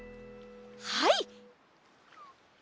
はい！